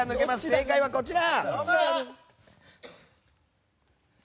正解は、こちら！